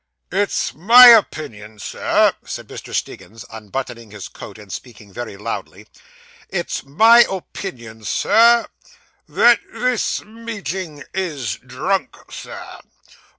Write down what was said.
'It's my opinion, sir,' said Mr. Stiggins, unbuttoning his coat, and speaking very loudly 'it's my opinion, sir, that this meeting is drunk, sir.